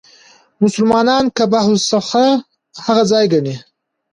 مسلمانان قبه الصخره هغه ځای ګڼي.